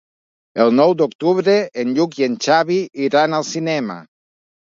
El nou d'octubre en Lluc i en Xavi iran al cinema.